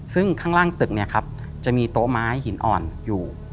ซึ่งข้างล่างตึกเนี่ยครับจะมีโต๊ะไม้หินอ่อนอยู่